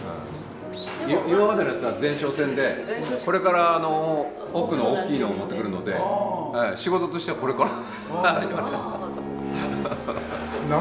今までのやつは前哨戦でこれから奥の大きいのを持ってくるので仕事としてはこれから。